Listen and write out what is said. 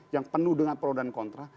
yang penuh dengan pro dan kontra